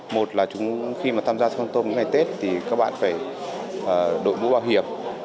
một là khi mà tham gia giao thông trong những ngày tết thì các bạn phải đội mũ bảo hiểm